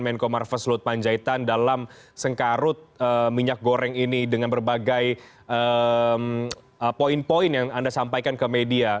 menko marves lut panjaitan dalam sengkarut minyak goreng ini dengan berbagai poin poin yang anda sampaikan ke media